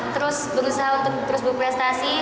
terus berusaha untuk terus berprestasi